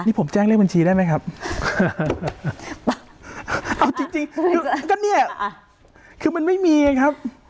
นี่ผมแจ้งเลขบัญชีได้ไหมครับเอาจริงจริงคือก็เนี่ยคือมันไม่มีไงครับ